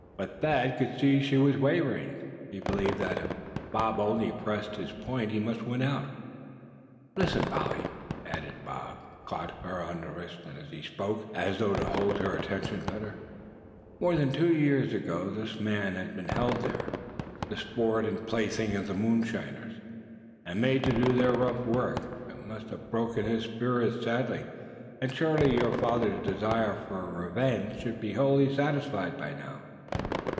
But Thad could see she was wavering. He believed that if Bob only pressed his point he must win out. "Listen, Polly," and Bob caught hold of her wrist as he spoke, as though to hold her attention better; "more than two long years this man has been held there, the sport and plaything of the moonshiners, and made to do their rough work. It must have broken his spirit sadly. And surely your father's desire for revenge should be wholly satisfied by now.